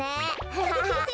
アハハハ。